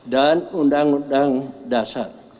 dan undang undang dasar